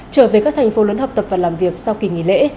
trở về các thành phố lớn học tập và làm việc sau kỳ nghỉ lễ